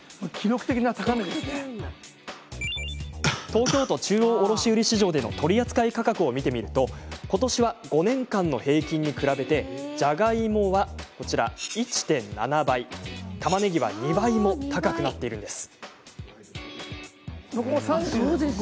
東京都中央卸売市場での取扱価格を見てみるとことしは５年間の平均に比べてじゃがいもは１．７倍たまねぎは２倍も高くなっているんです。